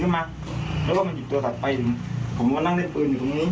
ปืนมันลั่นไปใส่แฟนสาวเขาก็ยังยันกับเราเหมือนเดิมแบบนี้นะคะ